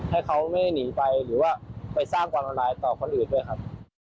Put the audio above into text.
ให้เขาไม่หนีไปหรือว่าไปสร้างความละลายต่อคนอื่นด้วยครับ